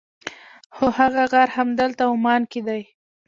هو هغه غار همدلته عمان کې دی.